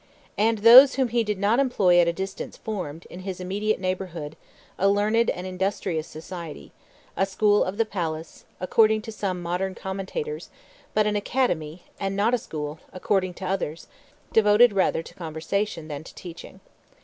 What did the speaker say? And those whom he did not employ at a distance formed, in his immediate neighborhood, a learned and industrious society, a school of the palace, according to some modern commentators, but an academy, and not a school, according to others, devoted rather to conversation than to teaching.